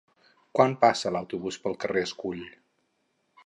Quan passa l'autobús pel carrer Escull?